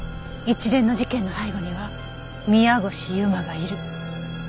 一連の事件の背後には宮越優真がいる。